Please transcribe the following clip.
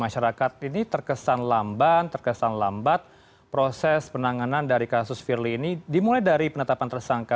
masyarakat ini terkesan lamban terkesan lambat proses penanganan dari kasus firly ini dimulai dari penetapan tersangka